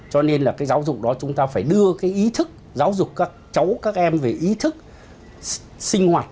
cho nên là cái giáo dục đó chúng ta phải đưa cái ý thức giáo dục các cháu các em về ý thức sinh hoạt